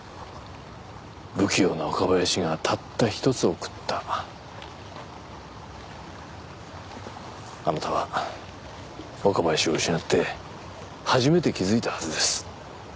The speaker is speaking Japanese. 不器用な岡林がたった１つ贈ったあなたは岡林を失って初めて気付いたはずです